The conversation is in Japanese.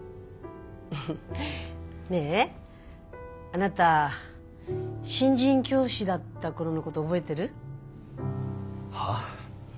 フフッねえあなた新人教師だった頃のこと覚えてる？はあ？